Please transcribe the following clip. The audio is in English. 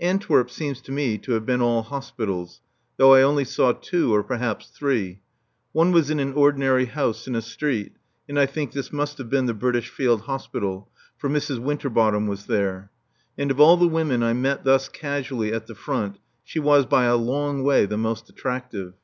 Antwerp seems to me to have been all hospitals, though I only saw two, or perhaps three. One was in an ordinary house in a street, and I think this must have been the British Field Hospital; for Mrs. Winterbottom was there. And of all the women I met thus casually "at the front" she was, by a long way, the most attractive.